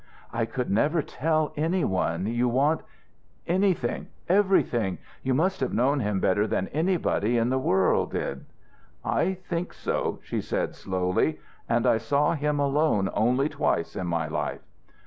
"I could never tell any one. You want " "Anything, everything. You must have known him better than anybody in he world did." "I think so," she said, slowly "And I saw him alone only twice in my life."